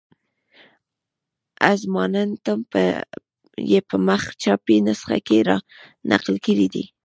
اظماننتم یې په مخ چاپي نسخه کې را نقل کړی دی.